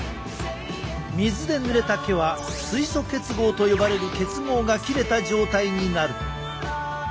水でぬれた毛は水素結合と呼ばれる結合が切れた状態になる。